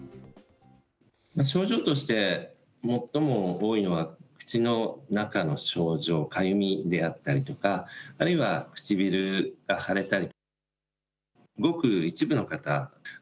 症状として最も多いのは、口の中の症状、かゆみであったりとか、あるいは唇が腫れたり。